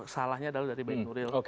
salahnya adalah dari baik nuril